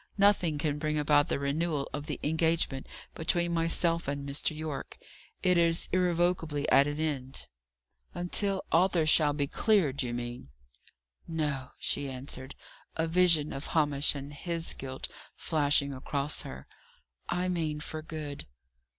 Nothing can bring about the renewal of the engagement between myself and Mr. Yorke. It is irrevocably at an end." "Until Arthur shall be cleared, you mean?" "No," she answered a vision of Hamish and his guilt flashing across her "I mean for good."